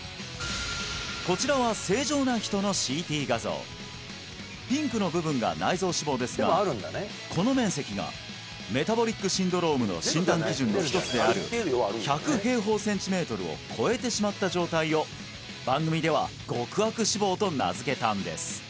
こちらは正常な人のＣＴ画像ピンクの部分が内臓脂肪ですがこの面積がメタボリックシンドロームの診断基準の一つである１００ｃｍ^2を超えてしまった状態を番組では「極悪脂肪」と名付けたんです